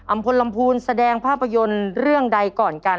พลลำพูนแสดงภาพยนตร์เรื่องใดก่อนกัน